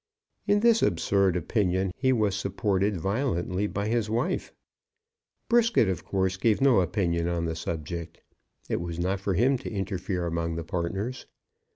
In this absurd opinion he was supported violently by his wife. Brisket, of course, gave no opinion on the subject. It was not for him to interfere among the partners.